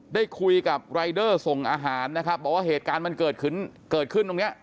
ได้คุยกับรายเดอร์ส่งอาหารนะครับบอกว่าเหตุการณ์มันเกิดขึ้นเกิดขึ้นตรงเนี้ย